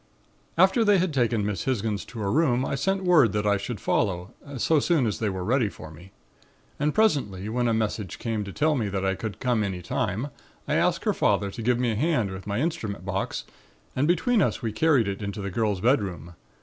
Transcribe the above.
"After they had taken Miss Hisgins to her room I sent word that I should follow, so soon as they were ready for me. And presently, when a message came to tell me that I could come any time, I asked her father to give me a hand with my instrument box and between us we carried it into the girl's bedroom.